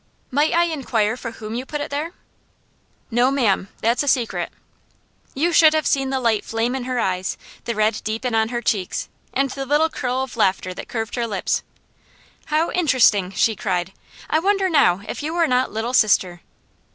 "Might I inquire for whom you put it there?" "No ma'am! That's a secret." You should have seen the light flame in her eyes, the red deepen on her cheeks, and the little curl of laughter that curved her lips. "How interesting!" she cried. "I wonder now if you are not Little Sister."